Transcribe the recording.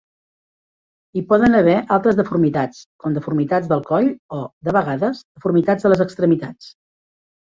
Hi poden haver altres deformitats, com deformitats del coll o, de vegades, deformitats de les extremitats.